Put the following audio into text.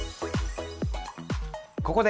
ここで。